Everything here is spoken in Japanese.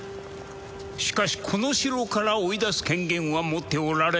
しかしこの城から追い出す権限は持っておられん